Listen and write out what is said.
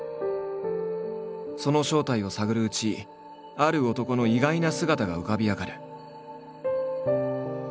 その正体を探るうち「ある男」の意外な姿が浮かび上がる。